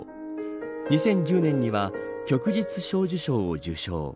２０１０年には旭日小綬章を受章。